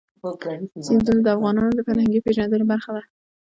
سیندونه د افغانانو د فرهنګي پیژندنې برخه ده.